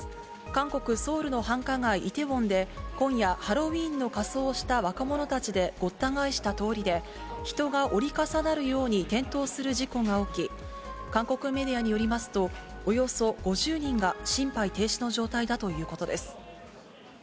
韓国・ソウルの繁華街、イテウォンで、今夜、ハロウィーンの仮装をした若者たちでごった返した通りで、人が折り重なるように転倒する事故が起き、韓国メディアによりますと、およそ５０人が心肺停止の状態だということです。